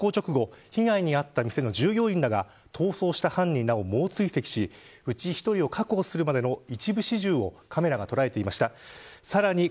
しかし、その犯行直後被害に遭った店の従業員らが逃走した犯人らを猛追跡しうち１人を確保するまでの一部始終をカメラが捉えていました。